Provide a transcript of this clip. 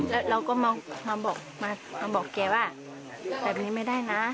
แล้วเราก็มาบอกมาบอกแกว่าแบบนี้ไม่ได้นะ